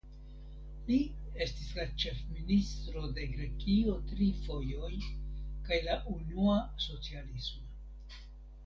Li estis la ĉefministro de Grekio tri fojoj kaj la unua socialisma.